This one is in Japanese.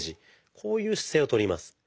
こういう姿勢をとります。